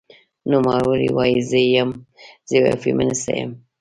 نوموړې وايي، "زه یوه فېمینیسټه یم